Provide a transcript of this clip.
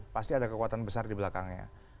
pasti ada kekuatan besar di belakangnya